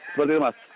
seperti itu mas